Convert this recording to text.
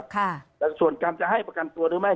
แต่ส่วนกรรมจะให้ประกันตัวหรือไม่